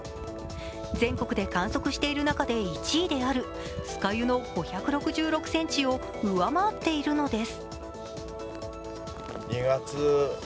全国で観測している中で１位である酸ヶ湯の５６６ｃｍを上回っているのです。